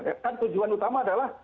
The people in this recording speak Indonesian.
kan tujuan utama adalah